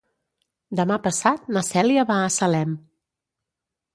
Demà passat na Cèlia va a Salem.